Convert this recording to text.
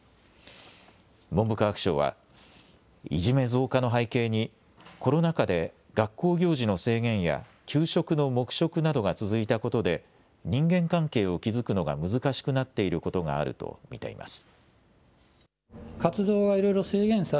文部科学省はいじめ増加の背景にコロナ禍で学校行事の制限や給食の黙食などが続いたことで人間関係を築くのが難しくなっていることがあると見ています。＃